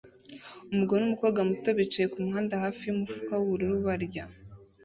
Umugabo numukobwa muto bicaye kumuhanda hafi yumufuka wubururu barya